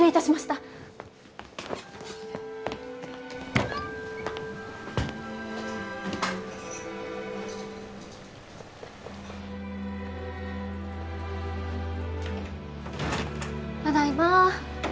ただいま。